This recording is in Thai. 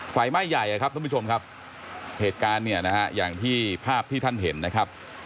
ไฟไหม้ใหญ่ครับท่านผู้ชมครับเหตุการณ์เนี่ยนะฮะอย่างที่ภาพที่ท่านเห็นนะครับ